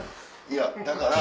いやだから。